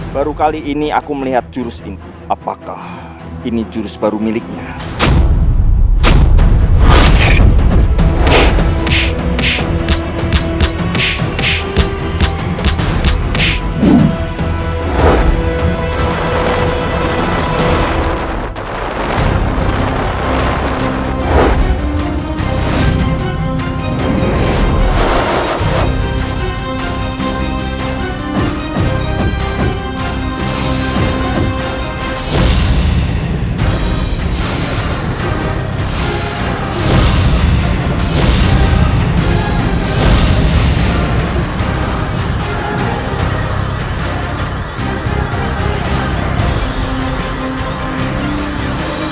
gusti siliwangi bertarung dengan gusti siliwangi